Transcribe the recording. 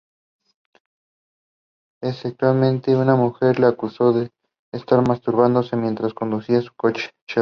Exactamente, una mujer le acusó de estar masturbándose mientras conducía su coche, un Chevrolet.